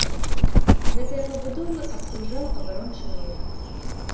Гэтыя пабудовы абкружаў абарончы роў.